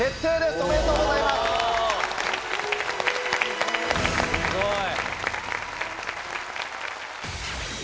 すごい。